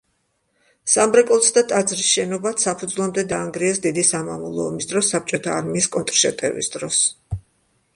სამრეკლოც და ტაძრის შენობაც საფუძვლამდე დაანგრიეს დიდი სამამულო ომის დროს საბჭოთა არმიის კონტრშეტევის დროს.